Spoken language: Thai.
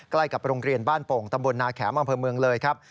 ใกล้กับโรงเรียนบ้านโป่งตำบลนาแขมอำเภอเมืองเลยครับ